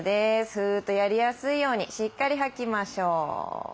フーッとやりやすいようにしっかり吐きましょう。